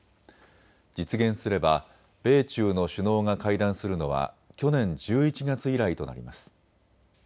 実現すれば米中の首脳が会談するのは去年１１月以来となります。